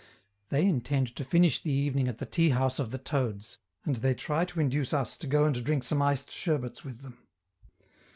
They intend to finish the evening at the tea house of the toads, and they try to induce us to go and drink some iced sherbets with them.